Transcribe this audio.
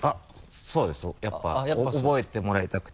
そうですやっぱ覚えてもらいたくて。